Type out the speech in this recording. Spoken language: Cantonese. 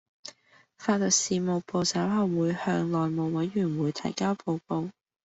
法律事務部稍後會向內務委員會提交報告